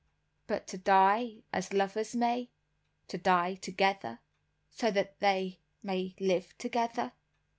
"But to die as lovers may—to die together, so that they may live together.